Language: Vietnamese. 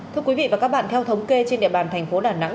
thưa quý vị và các bạn theo thống kê trên địa bàn thành phố đà nẵng